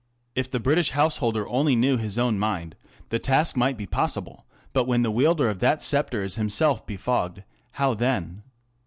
If the British householder only knew his own mind, the task might be possible ; but when that wielder of the sceptre is himself befogged, how then